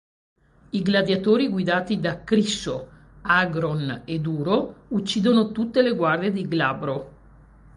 I gladiatori guidati da Crisso, Agron e Duro uccidono tutte le guardie di Glabro.